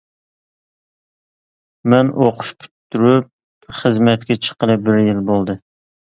مەن ئوقۇش پۈتتۈرۈپ خىزمەتكە چىققىلى بىر يىل بولدى.